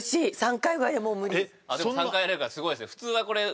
あっでも３回やれるからすごいですね